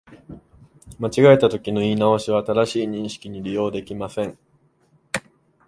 間違えたときの言い直しは、正しい認識に利用できません